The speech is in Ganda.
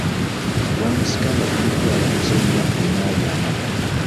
Gwamusika nga gumutwala mu kinnya omwali amata.